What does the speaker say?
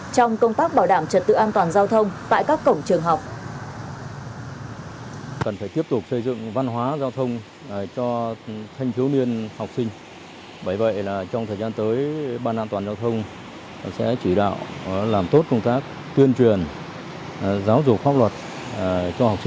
trong công tác bảo đảm trật tự an toàn giao thông tại các cổng trường học